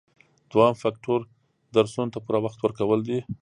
دوهم فکتور درسونو ته پوره وخت ورکول دي.